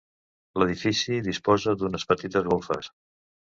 L'edifici disposa d'unes petites golfes.